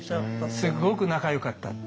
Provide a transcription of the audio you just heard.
すっごく仲よかったって。